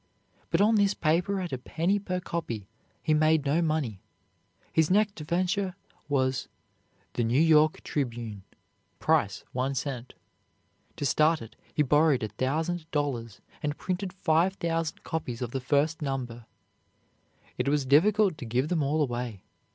But on this paper at a penny per copy he made no money. His next venture was "The New York Tribune," price one cent. To start it he borrowed a thousand dollars and printed five thousand copies of the first number. It was difficult to give them all away.